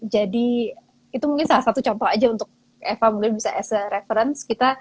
jadi itu mungkin salah satu contoh aja untuk eva mungkin bisa as a reference